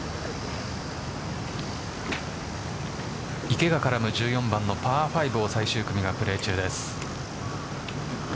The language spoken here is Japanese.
池が絡む１４番のパー５を最終組がプレー中です。